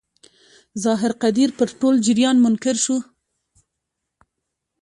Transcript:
ظاهر قدیر پر ټول جریان منکر شو.